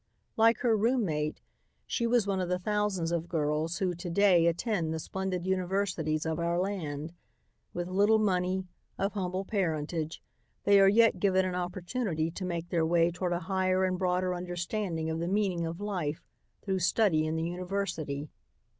Like her roommate, she was one of the thousands of girls who to day attend the splendid universities of our land. With little money, of humble parentage, they are yet given an opportunity to make their way toward a higher and broader understanding of the meaning of life through study in the university.